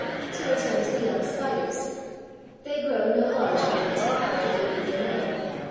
To return to the young Spiders: they grow no larger until after they leave their mother.